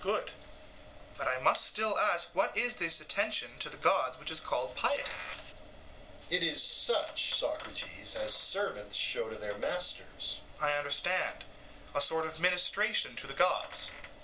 SOCRATES: Good: but I must still ask what is this attention to the gods which is called piety? EUTHYPHRO: It is such, Socrates, as servants show to their masters. SOCRATES: I understand a sort of ministration to the gods.